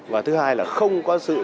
và thứ hai là không có sự